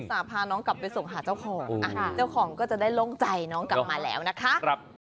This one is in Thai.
พาน้องกลับไปส่งหาเจ้าของเจ้าของก็จะได้โล่งใจน้องกลับมาแล้วนะคะ